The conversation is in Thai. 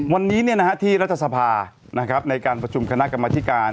วันนี้ที่รัฐสภาในการประชุมคณะกรรมธิการ